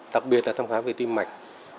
đặc biệt là thăm khám về tim mạch